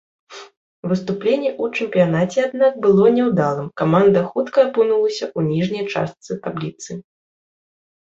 Выступленне ў чэмпіянаце, аднак, было няўдалым, каманда хутка апынулася ў ніжняй частцы табліцы.